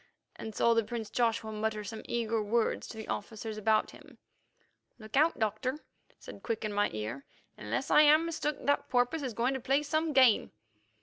and saw the prince Joshua mutter some eager words to the officers about him. "Look out, Doctor," said Quick into my ear. "Unless I'm mistook, that porpoise is going to play some game."